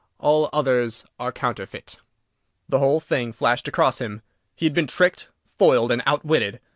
|| All others are counterfeite. |++ The whole thing flashed across him. He had been tricked, foiled, and out witted!